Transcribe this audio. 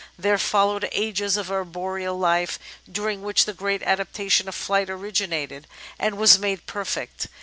There followed ages of arboreal life during which the great adaptation of flight originated and was made perfect.